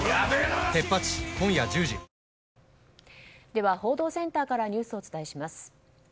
では、報道センタかーらニュースをお伝えします。